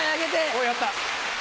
おっやった。